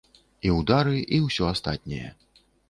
І ўдары, і ўсё астатняе.